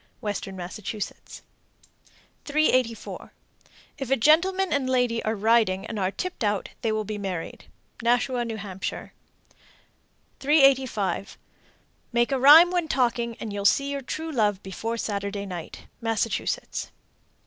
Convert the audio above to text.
Western Massachusetts. 384. If a gentleman and lady are riding and are tipped out, they will be married. Nashua, N.H. 385. Make a rhyme when talking, and you'll see your true love before Saturday night. _Massachusetts.